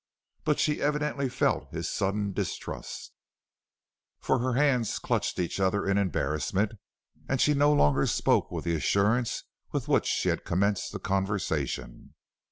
But she evidently felt his sudden distrust, for her hands clutched each other in embarrassment and she no longer spoke with the assurance with which she had commenced the conversation.